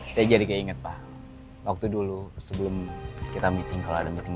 saya jadi kayak inget pak waktu dulu sebelum kita meeting kalau ada meeting